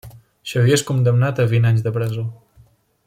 Xavier és condemnat a vint anys de presó.